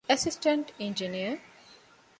އެސިސްޓެންޓް އެންޖިނިއަރ